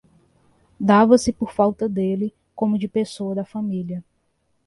dava-se por falta dele, como de pessoa da família.